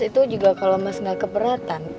itu juga kalau mas nggak keberatan